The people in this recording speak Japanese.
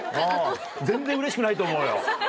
全然うれしくないと思うよ。